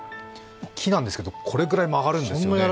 木なんですけれどもこれくらい曲がるんですよね。